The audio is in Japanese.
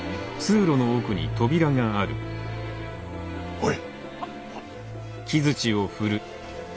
おい。